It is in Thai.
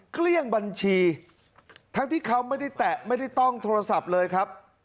เกลี้ยงบัญชีทั้งที่เขาไม่ได้แตะไม่ได้ต้องโทรศัพท์เลยครับ